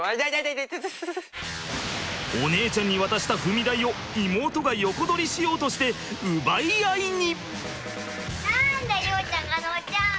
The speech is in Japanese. お姉ちゃんに渡した踏み台を妹が横取りしようとして奪い合いに！